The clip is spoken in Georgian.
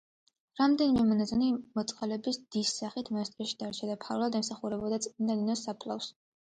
რამდენიმე მონაზონი მოწყალების დის სახით მონასტერში დარჩა და ფარულად ემსახურებოდა წმიდა ნინოს საფლავს.